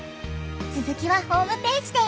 つづきはホームページで！